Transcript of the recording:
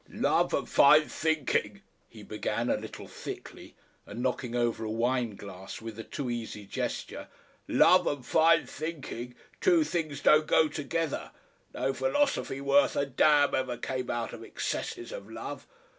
"Love and fine thinking," he began, a little thickly, and knocking over a wine glass with a too easy gesture. "Love and fine thinking. Two things don't go together. No philosophy worth a damn ever came out of excesses of love.